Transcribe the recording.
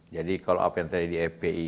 jadi kalau apa yang tadi di fpi